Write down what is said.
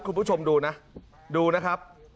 คุณผู้ชมดูนะดูนะครับ